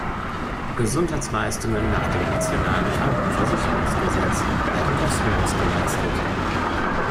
Gesundheitsleistungen nach dem Nationalen Krankenversicherungsgesetz werden kostenlos geleistet.